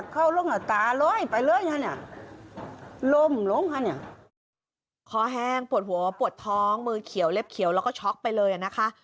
ขอแห้งปวดหัวปวดท้องมือเขียวเล็บเขียวแล้วก็ช็อกไปเลยนะคะ